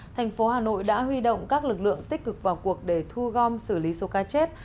thành phố hà nội đã huy động các lực lượng tích cực vào cuộc để thu gom xử lý số ca chết